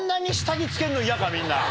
みんな。